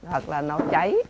hoặc là nó cháy